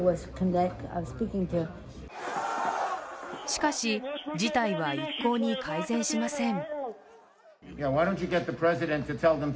しかし、事態は一向に改善しません。